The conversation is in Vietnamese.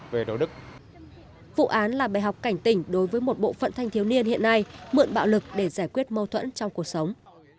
vụ án là bài học cảnh tỉnh đối với một bộ phận thanh thiếu niên hiện nay mượn bạo lực để giải quyết mâu thuẫn trong cuộc sống